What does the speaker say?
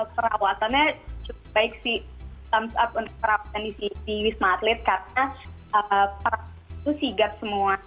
perawatannya cukup baik sih up untuk perawatan di wisma atlet karena perawatan itu sigap semua